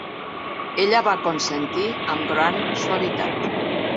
Ella va consentir amb gran suavitat.